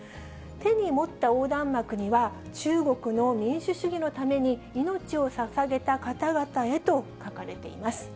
手に持った横断幕には、中国の民主主義のために命をささげた方々へと書かれています。